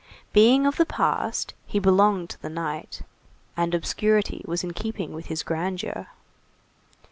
Being of the past, he belonged to night; and obscurity was in keeping with his grandeur.